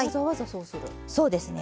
そうですね。